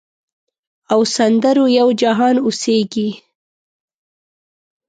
او سندرو یو جهان اوسیږې